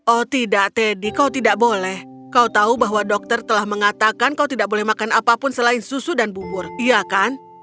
oh tidak teddy kau tidak boleh kau tahu bahwa dokter telah mengatakan kau tidak boleh makan apapun selain susu dan bubur iya kan